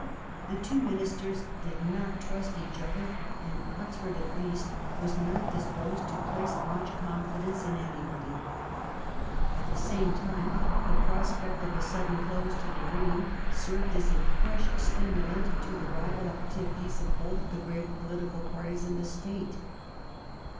The two Ministers did not trust each other, and Oxford, at least, was not disposed to place much confidence in anybody. At the same time the prospect of a sudden close to the reign served as a fresh stimulant to the rival activities of both the great political parties in the State.